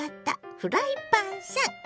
フライパンさん。